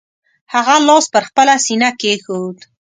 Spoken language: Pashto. هغه لاس پر خپله سینه کېښود.